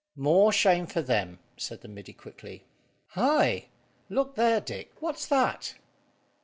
"More shame for them!" said the middy quickly. "Hi! Look there, Dick; what's that?"